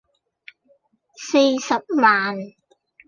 四十萬